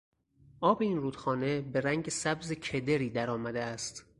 آب این رودخانه به رنگ سبز کدری در آمده است.